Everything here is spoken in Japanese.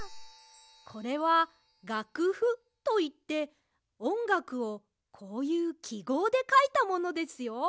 これは「がくふ」といっておんがくをこういうきごうでかいたものですよ。